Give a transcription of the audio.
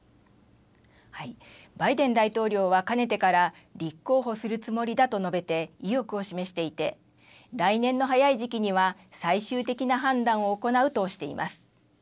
バイデン大統領はかねてから立候補するつもりだと述べて意欲を示していて来年の早い時期には最終的な判断を行うとしています。